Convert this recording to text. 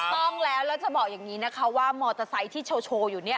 ต้องแล้วแล้วจะบอกอย่างนี้นะคะว่ามอเตอร์ไซค์ที่โชว์อยู่เนี่ย